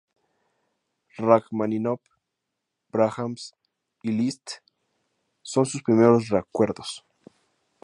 Rajmáninov, Brahms y Liszt son sus primeros recuerdos.